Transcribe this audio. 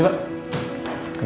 sedangkan orang lain